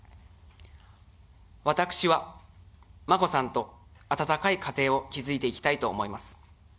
私は眞子さんと温かい家庭を築いていきたいと思います。